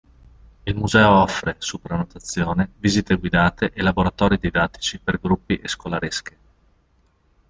Il Museo offre, su prenotazione, visite guidate e laboratori didattici per gruppi e scolaresche.